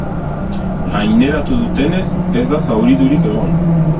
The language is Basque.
Gaineratu dutenez, ez da zauriturik egon.